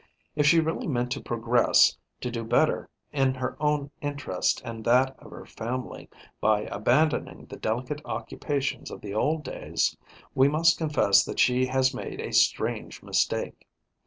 If she really meant to progress, to do better in her own interest and that of her family, by abandoning the delicate occupations of the old days, we must confess that she has made a strange mistake.